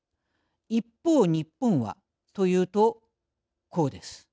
一方、日本は、というとこうです。